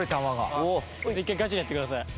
今度１回ガチでやってください。